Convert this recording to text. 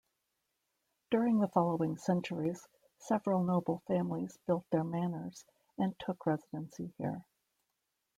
During the following centuries, several noble families built their manors and took residency here.